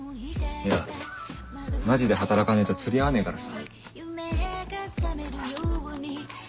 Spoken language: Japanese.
いやマジで働かねえと釣り合わねえからさ。